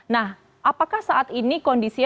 nah apakah saat ini